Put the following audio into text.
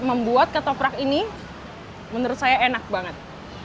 membuat ketoprak ini menurut saya enak banget